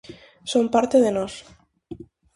Son parte de nós.